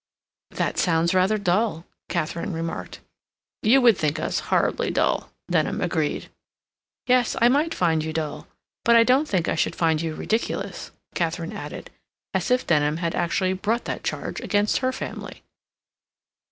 "That sounds rather dull," Katharine remarked. "You would think us horribly dull," Denham agreed. "Yes, I might find you dull, but I don't think I should find you ridiculous," Katharine added, as if Denham had actually brought that charge against her family.